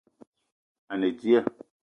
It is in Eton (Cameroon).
A ne dia